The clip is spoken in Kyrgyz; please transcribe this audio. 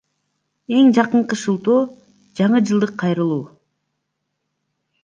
Эң жакынкы шылтоо — жаңы жылдык кайрылуу.